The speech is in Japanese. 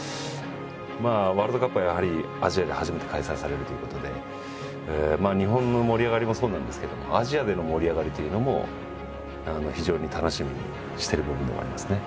まあワールドカップがやはりアジアで初めて開催されるということで日本の盛り上がりもそうなんですけどもアジアでの盛り上がりというのも非常に楽しみにしてる部分でもありますね。